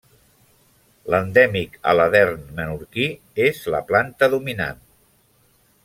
L'endèmic aladern menorquí és la planta dominant.